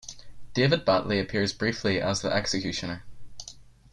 David Battley appears briefly as the Executioner.